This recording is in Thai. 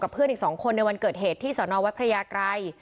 เพื่อนอีก๒คนในวันเกิดเหตุที่สนวัดพระยากรัย